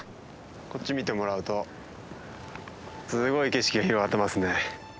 こっち見てもらうとすごい景色が広がってますね。